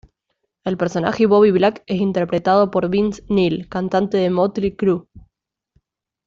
El personaje Bobbie Black es interpretado por Vince Neil, cantante de Mötley Crüe.